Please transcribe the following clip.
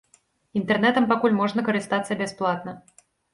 Інтэрнэтам пакуль можна карыстацца бясплатна.